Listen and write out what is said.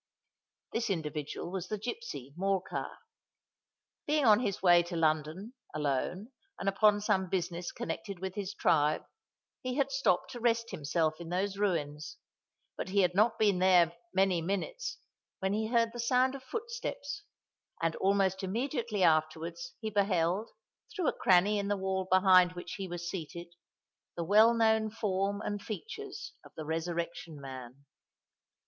This individual was the gipsy, Morcar. Being on his way to London,—alone, and upon some business connected with his tribe,—he had stopped to rest himself in those ruins: but he had not been there many minutes, when he heard the sound of footsteps; and, almost immediately afterwards, he beheld, through a cranny in the wall behind which he was seated, the well known form and features of the Resurrection Man.